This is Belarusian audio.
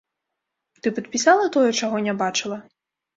Ты падпісала тое, чаго не бачыла?